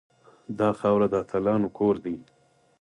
دا خاوره د اتلانو کور دی